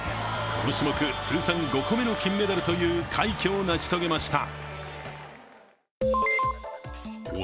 この種目、通算５個目の金メダルという快挙を成し遂げました。